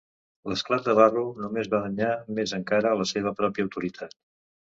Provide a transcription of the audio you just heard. L'esclat de Barrow només va danyar més encara la seva pròpia autoritat.